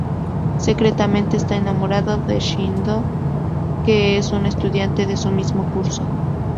Secretamente está enamorada de Shindo, que es un estudiante de su mismo curso.